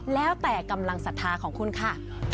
แล้วแต่กำลังศรัทธาของคุณค่ะ